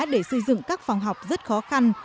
để xây dựng các phòng học rất khó khăn